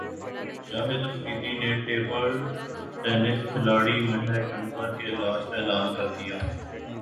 شاہد فریدی نے table tennis کھلاڑی مہک انور کے علاج کا اعلان کردیا